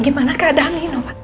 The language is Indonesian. gimana keadaan ini nopal